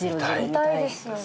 見たいですよね